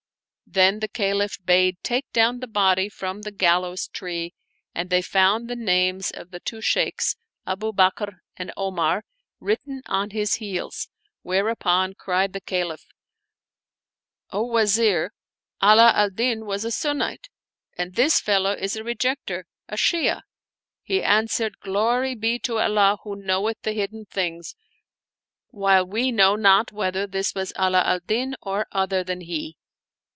" Then the Caliph bade take down the body from the gallows tree and they found the names of the two Shaykhs, Abu Bakr and Omar, written on his heels, whereupon cried the Caliph, " O Wa zir, Ala al Din was a Sunnite,* and this fellow is a Rejecter, a Shi'ah." He answered, " Glory be to Allah who knoweth the hidden things, while we know not whether this was Ala al Din or other than he."